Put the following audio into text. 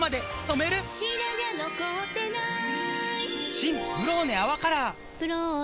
新「ブローネ泡カラー」「ブローネ」